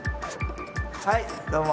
はいどうも。